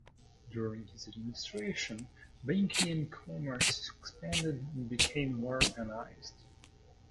During his administration, banking and commerce expanded and became more organized.